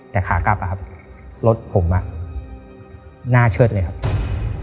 แต่ขากลับอะครับรถผมอ่ะหน้าเชิดเลยครับ